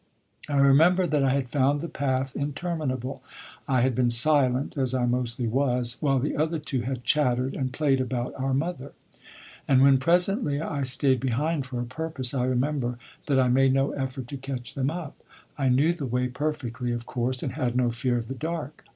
I remember that I had found the path interminable. I had been silent, as I mostly was, while the other two had chattered and played about our mother; and when presently I stayed behind for a purpose I remember that I made no effort to catch them up. I knew the way perfectly, of course, and had no fear of the dark.